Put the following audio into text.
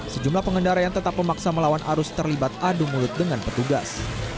sejumlah pengendara yang tetap memaksa melawan arus terlibat adu mulut dengan petugas